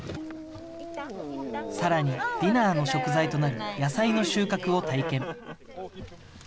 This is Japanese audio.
さらに、ディナーの食材となる野菜の収穫を体験。